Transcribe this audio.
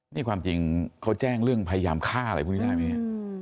นี่ความจริงเขาแจ้งเรื่องพยายามฆ่าอะไรพวกนี้ได้ไหมเนี่ย